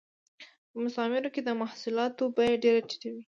په مستعمرو کې د محصولاتو بیه ډېره ټیټه وه